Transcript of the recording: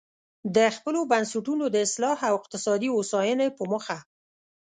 د خپلو بنسټونو د اصلاح او اقتصادي هوساینې په موخه.